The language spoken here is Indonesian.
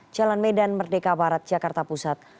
jalan medan merdeka barat jakarta pusat